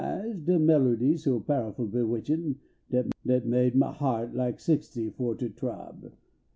ed de melerdy so powerful bewitchin Dat made mall heart like sixty fo ter t rob.